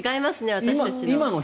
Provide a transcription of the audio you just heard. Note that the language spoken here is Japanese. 私たちの。